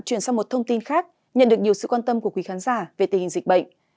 chuyển sang một thông tin khác nhận được nhiều sự quan tâm của quý khán giả về tình hình dịch bệnh